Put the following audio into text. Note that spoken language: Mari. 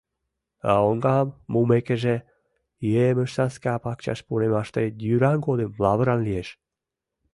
А оҥам мумекыже: «Емыж-саска пакчаш пурымаште йӱран годым лавыран лиеш.